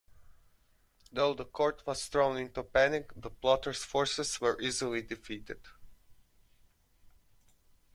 Though the court was thrown into panic, the plotters' forces were easily defeated.